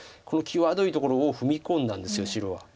この際どいところを踏み込んだんです白は。